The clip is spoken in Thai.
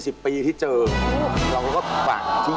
วันนี้ไม่เจอวันนั้นไม่เจอไม่เจอค่ะ